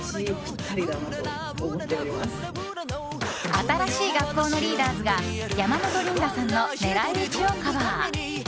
新しい学校のリーダーズが山本リンダさんの「狙いうち」をカバー。